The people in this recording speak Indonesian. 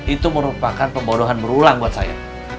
itu merupakan pembodohan berulang buat saya